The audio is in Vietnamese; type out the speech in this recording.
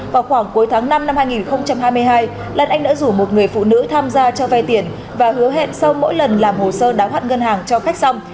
vào khoảng cuối tháng năm năm hai nghìn hai mươi hai lan anh đã rủ một người phụ nữ tham gia cho vay tiền và hứa hẹn sau mỗi lần làm hồ sơ đáo hạn ngân hàng cho khách xong